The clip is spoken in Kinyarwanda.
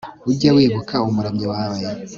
ujye wibuka umuremyi wawe